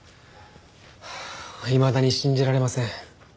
いまだに信じられません。